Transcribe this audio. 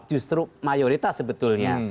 justru mayoritas sebetulnya